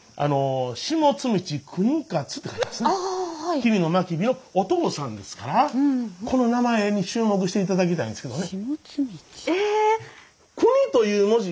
吉備真備のお父さんですからこの名前に注目していただきたいんですけどね。